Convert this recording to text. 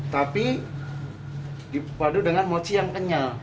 tapi dipadu dengan mochi yang kenyal